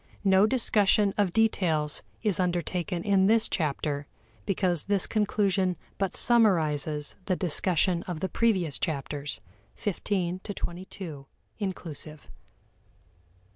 No discussion of details is undertaken in this chapter, because this conclusion but summarizes the discussion of the previous chapters, XV to XXII, inclusive.